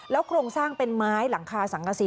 โครงสร้างเป็นไม้หลังคาสังกษี